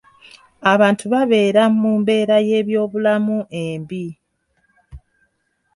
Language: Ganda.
Abantu babeera mu mbeera y'ebyobulamu embi.